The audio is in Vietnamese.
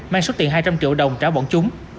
mang số tiền hai trăm linh triệu đồng trả bọn chúng